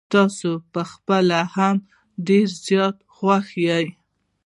تاسو په خپله هم ډير زيات خوښ وې.